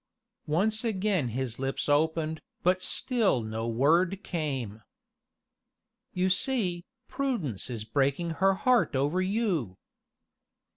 Once again his lips opened, but still no word came. "You see, Prudence is breaking her heart over you."